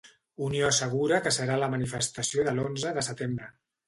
Unió assegura que serà a la manifestació de l'Onze de Setembre